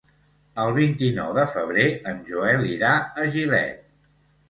El vint-i-nou de febrer en Joel irà a Gilet.